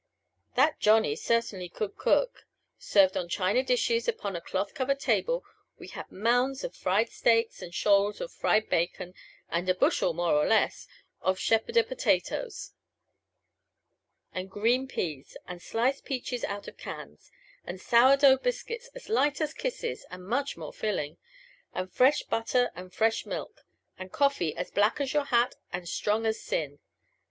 That Johnny certainly could cook! Served on china dishes upon a cloth covered table, we had mounds of fried steaks and shoals of fried bacon; and a bushel, more or less, of sheepherder potatoes; and green peas and sliced peaches out of cans; and sour dough biscuits as light as kisses and much more filling; and fresh butter and fresh milk; and coffee as black as your hat and strong as sin.